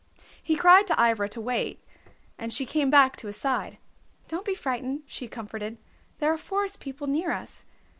He cried to Ivra to wait, and she came back to his side. "Don't be frightened," she comforted. "There are Forest People near us.